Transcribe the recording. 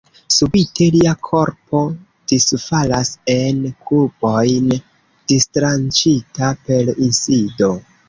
Subite lia korpo disfalas en kubojn, distranĉita per insido.